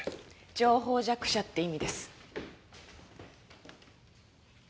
情報弱者って意味です。